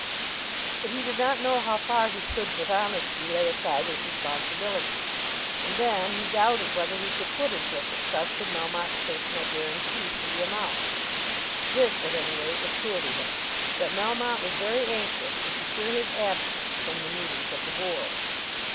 But he did not know how far he could with honesty lay aside his responsibility; and then he doubted whether he could put implicit trust in Melmotte's personal guarantee for the amount. This at any rate was clear to him, that Melmotte was very anxious to secure his absence from the meetings of the Board.